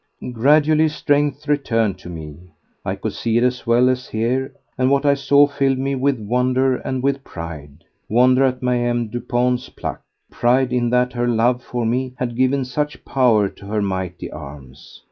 Gradually strength returned to me. I could see as well as hear, and what I saw filled me with wonder and with pride. Wonder at Ma'ame Dupont's pluck! Pride in that her love for me had given such power to her mighty arms!